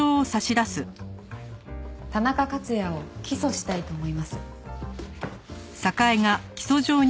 田中克也を起訴したいと思います。